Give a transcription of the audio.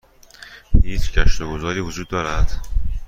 هیچ گشت و گذاری وجود دارد؟